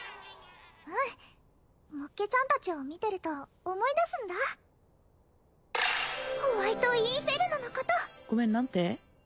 うんもっけちゃん達を見てると思い出すんだホワイトインフェルノのことごめん何て？